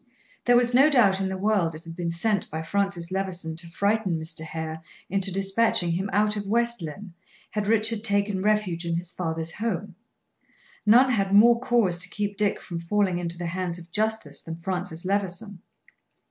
There was no doubt in the world it had been sent by Francis Levison to frighten Mr. Hare into dispatching him out of West Lynne, had Richard taken refuge in his father's home. None had more cause to keep Dick from falling into the hands of justice than Francis Levison.